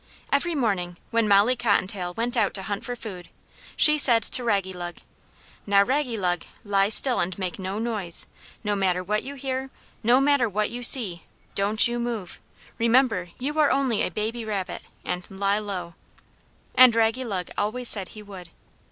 Every morning, when Molly Cottontail went out to hunt for food, she said to Raggylug, "Now, Raggylug, lie still, and make no noise. No matter what you hear, no matter what you see, don't you move. Remember you are only a baby rabbit, and lie low." And Raggylug always said he would.